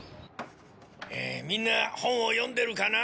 えーみんな本を読んでるかな？